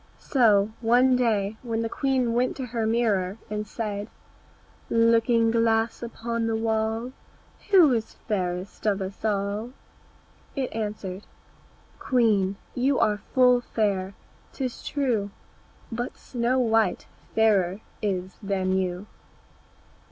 So one day when the queen went to her mirror and said, "Looking glass upon the wall, Who is fairest of us all?" It answered, "Queen, you are full fair, 'tis true, But Snow white fairer is than you."